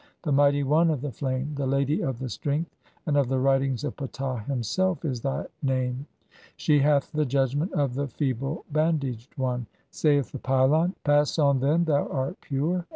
the mighty one of the flame, the lady of the "strength and of the writings of Ptah himself, is thy name. She "hath the judgment of the (67) feeble bandaged one." [Saith the pylon :—] "Pass on, then, thou art pure."